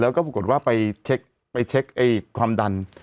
แล้วก็กดว่าไปเช็คไปเช็คความดัน